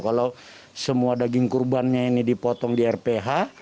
kalau semua daging kurbannya ini dipotong di rph